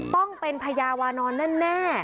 ต้องเป็นพญาวานอนแน่